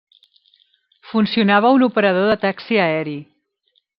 Funcionava un operador de taxi aeri.